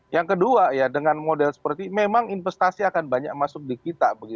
yang kedua ya dengan model seperti ini memang investasi akan banyak masuk di kita